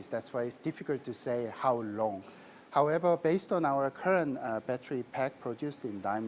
kita harus memiliki jangka panjang yang cukup panjang untuk memastikan baterai tidak terlalu berpikir pikir